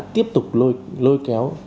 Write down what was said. tiếp tục lôi kéo